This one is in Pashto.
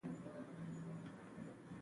دا نیوکې زموږ له پوهانو سره مرسته کوي.